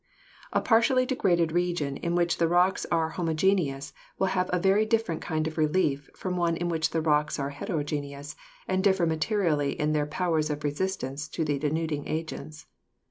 A partially degraded region in which the rocks are homogeneous will have a very different kind of relief from one in which the rocks are heterogeneous and differ materially in their powers of resistance to the denuding agents.